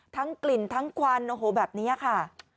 กลิ่นทั้งควันโอ้โหแบบนี้ค่ะ